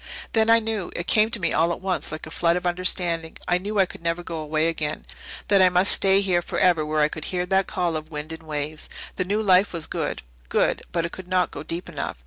Then I knew it came to me all at once, like a flood of understanding. I knew I could never go away again that I must stay here forever where I could hear that call of wind and waves. The new life was good good but it could not go deep enough.